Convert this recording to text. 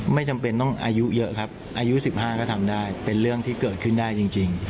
ไม่จำเป็นต้องอายุเยอะครับอายุ๑๕ก็ทำได้เป็นเรื่องที่เกิดขึ้นได้จริง